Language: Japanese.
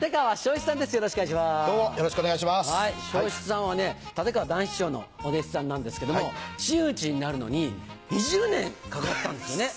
生志さんは立川談志師匠のお弟子さんなんですけども真打ちになるのに２０年かかったんですよね？